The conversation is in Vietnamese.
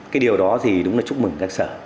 cái điều đó thì đúng là chúc mừng các sở